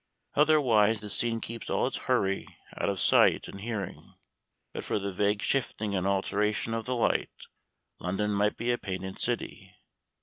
Otherwise the scene keeps all its hurry out of sight and hearing. But for the vague shifting and alteration of the light, London might be a painted city.